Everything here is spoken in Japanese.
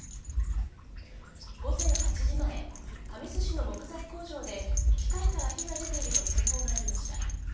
午前８時前神栖市の木材工場で機械から火が出ていると通報がありました。